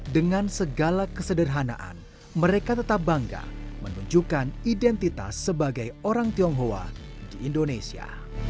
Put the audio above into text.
dengan segala kesederhanaan mereka tetap bangga menunjukkan identitas sebagai orang tionghoa di indonesia